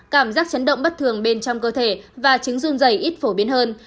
cảm giác chấn động bất thường bên trong cơ thể và chứng run dày ít phổ biến hơn